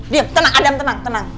diam tenang adam tenang